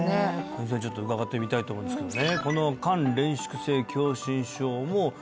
先生にちょっと伺ってみたいと思うんですけどね